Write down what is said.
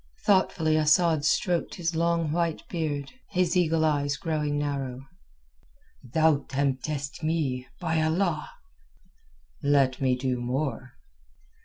Thoughtfully Asad stroked his long white beard, his eagle eyes growing narrow. "Thou temptest me, by Allah!" "Let me do more...."